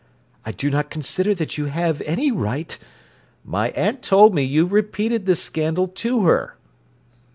"I do not consider that you have any right—" "My aunt told me you repeated this scandal to her."